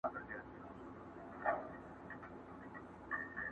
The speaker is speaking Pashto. په دې منځ کي شېردل نومي داړه مار وو!.